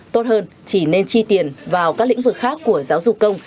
tốt hơn chỉ nên chi tiền vào các lĩnh vực khác của giáo dục công